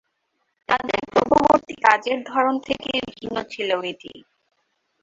তাদের পূর্ববর্তী কাজের ধরন থেকে ভিন্ন ছিল এটি।